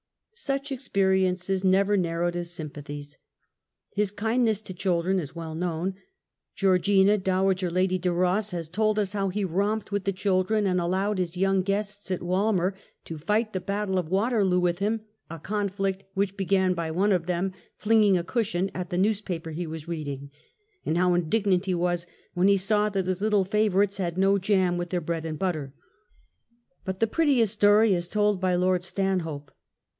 Such experiences never narrowed his sympathies. His kind ness to children is well known. Georgina, Dowager Lady de Eos, has told us how he romped with the children, and allowed his young guests at Walmer to fight the battle of Waterloo with him, a conflict which began by one of them flinging a cushion at the news paper he was reading ; and how indignant he was when he saw that his little favourites had no jam with their bread and butter. But the prettiest story is told by Lord Stanhope.